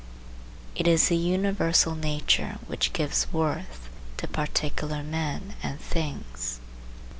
It is the universal nature which gives worth to particular men and things.